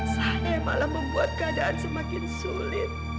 sahnya malah membuat keadaan semakin sulit